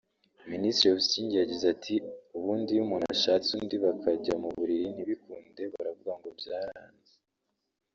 Minisitiri Busingye yagize ati “Ubundi iyo umuntu ashatse undi bakajya mu buriri ntibikunde baravuga ngo byaranze